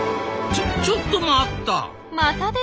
ちょちょっと待った！